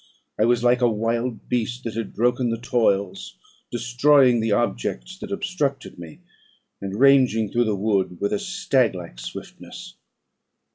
I was like a wild beast that had broken the toils; destroying the objects that obstructed me, and ranging through the wood with a stag like swiftness.